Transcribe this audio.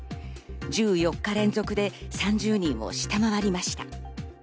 １４日連続で３０人を下回りました。